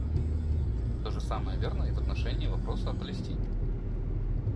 То же самое верно и в отношении вопроса о Палестине.